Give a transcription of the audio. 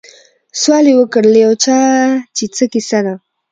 سوال یې وکړ له یو چا چي څه کیسه ده